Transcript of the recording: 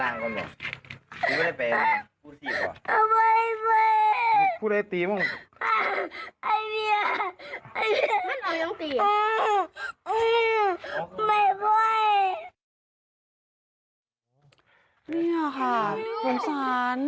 นี่ค่ะโทษสาน